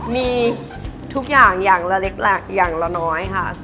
มีทุกอย่างอย่างละอย่างละน้อยค่ะ